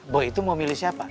bahwa itu mau milih siapa